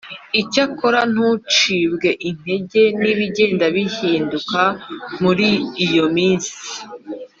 Icyakora ntugacibwe intege n ibigenda bihinduka muri iyo minsi